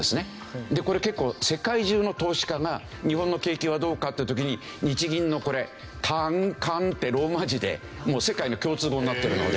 これ結構世界中の投資家が日本の景気はどうかっていう時に日銀のこれＴＡＮＫＡＮってローマ字でもう世界の共通語になってるので。